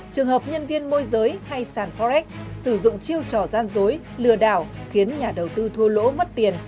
trường hợp nhân viên môi giới hay sản phó rách sử dụng chiêu trò gian dối lừa đảo khiến nhà đầu tư thua lỗ mất tiền